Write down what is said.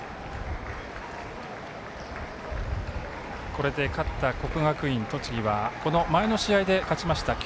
これで勝った国学院栃木は前の試合で勝ちました